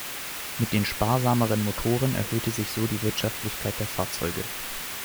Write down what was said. Mit den sparsameren Motoren erhöhte sich so die Wirtschaftlichkeit der Fahrzeuge.